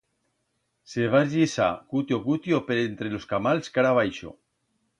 Se va esllisar cutio-cutio, per entre los camals cara baixo.